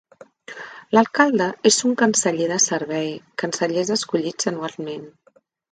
L'alcalde és un canceller de servei, cancellers escollits anualment.